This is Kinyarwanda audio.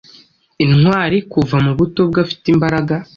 Intwari kuva mu buto bwe Afite imbaraga